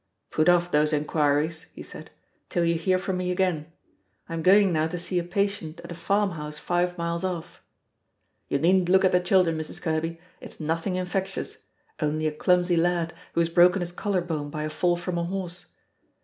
"Put off those inquiries," he said, "till you hear from me again. I am going now to see a patient at a farmhouse five miles off. (You needn't look at the children, Mrs. Kerby, it's nothing infectious only a clumsy lad, who has broken his collarbone by a fall from a horse.)